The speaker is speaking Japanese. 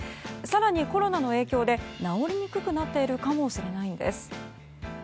更にコロナの影響で治りにくくなっているかもしれないんです。